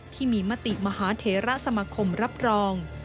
ที่มีมติมหาเถระสมาคมรับรอง